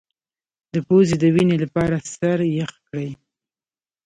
د پوزې د وینې لپاره سر یخ کړئ